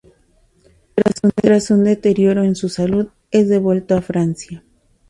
Tras un deterioro en su salud es devuelto a Francia.